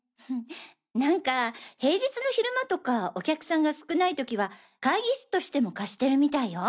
なんか平日の昼間とかお客さんが少ない時は会議室としても貸してるみたいよ。